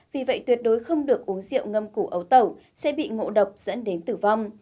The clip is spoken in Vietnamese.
vì vậy tuyệt đối không được uống rượu ngâm củ ấu tẩu sẽ bị ngộ độc dẫn đến tử vong